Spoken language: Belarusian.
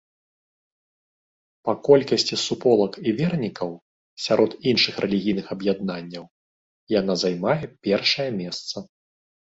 Па колькасці суполак і вернікаў сярод іншых рэлігійных аб'яднанняў яна займае першае месца.